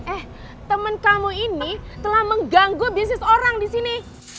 eh temen kamu ini telah mengganggu bisnis orang disini